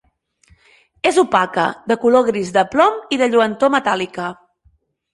És opaca, de color gris de plom i de lluentor metàl·lica.